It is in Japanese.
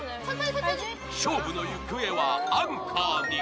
勝負の行方はアンカーに